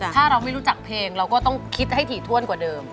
ถ้าเราไม่รู้จักเพลงเราก็ต้องคิดให้ถี่ถ้วนกว่าเดิม